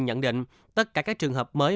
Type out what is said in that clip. nhận định tất cả các trường hợp mới